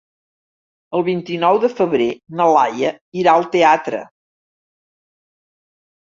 El vint-i-nou de febrer na Laia irà al teatre.